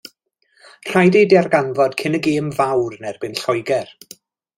Rhaid eu darganfod cyn y gêm fawr yn erbyn Lloegr.